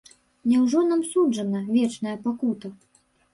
Няўжо нам суджана вечная пакута?